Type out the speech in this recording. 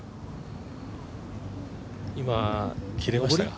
今、切れましたね。